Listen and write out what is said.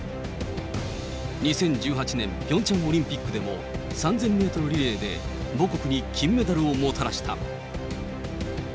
２０１８年ピョンチャンオリンピックでも、３０００メートルリレーで母国に金メダルをもたらした。